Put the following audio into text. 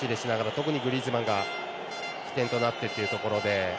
特にグリーズマンが起点となってというところで。